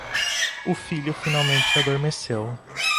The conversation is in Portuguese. O filho finalmente adormeceu